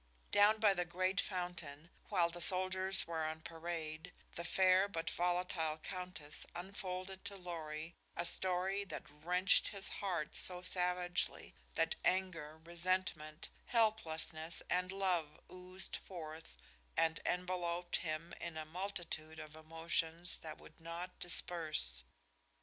Down by the great fountain, while the soldiers were on parade, the fair but volatile Countess unfolded to Lorry a story that wrenched his heart so savagely that anger, resentment, helplessness and love oozed forth and enveloped him in a multitude of emotions that would not disperse.